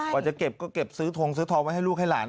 ก่อนจะเก็บก็ห้องวนซื้อทองไว้ให้ลูกให้หลาน